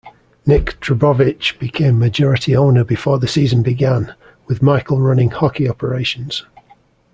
Nick Trbovich became majority owner before the season began, with Michel running hockey operations.